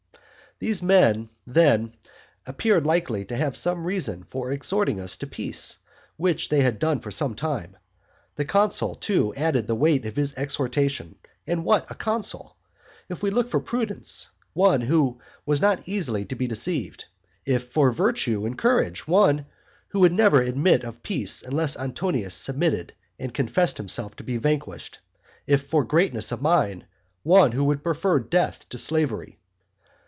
These men, then, appeared likely to have some reason for exhorting us to peace, which they had done for some time. The consul, too, added the weight of his exhortation, and what a consul! If we look for prudence, one who was not easily to be deceived; if for virtue and courage, one who would never admit of peace unless Antonius submitted and confessed himself to be vanquished, if for greatness of mind, one who would prefer death to slavery.